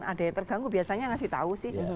ada yang terganggu biasanya ngasih tahu sih